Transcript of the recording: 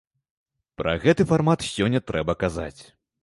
Пра гэты фармат сёння трэба казаць.